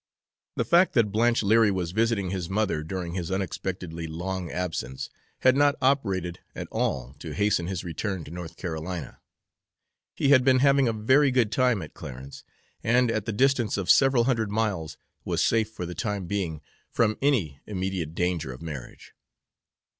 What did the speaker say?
The fact that Blanche Leary was visiting his mother during his unexpectedly long absence had not operated at all to hasten his return to North Carolina. He had been having a very good time at Clarence, and, at the distance of several hundred miles, was safe for the time being from any immediate danger of marriage.